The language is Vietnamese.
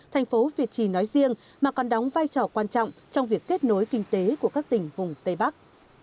thành phố việt trì nói riêng mà còn đóng vai trò quan trọng trong việc kết nối kinh tế của các tỉnh vùng tây bắc